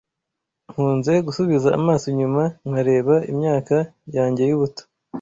Nkunze gusubiza amaso inyuma nkareba imyaka yanjye y'ubuto